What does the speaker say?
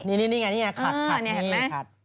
นี่ไงนี่ไงขัดนี่ขัด